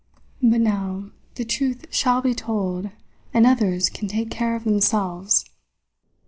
But now the truth shall be told, and others can take care of themselves!"